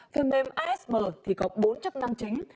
phần mềm asm thì có bốn chất năng chính